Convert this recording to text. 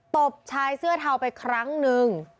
บชายเสื้อเทาไปครั้งนึง